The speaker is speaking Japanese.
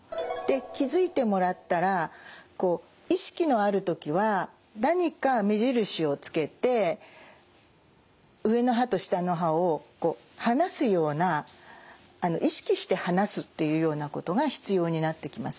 気付いてもらったら意識のある時は何か目印をつけて上の歯と下の歯を離すような意識して離すというようなことが必要になってきます。